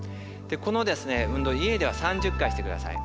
この運動家では３０回してください。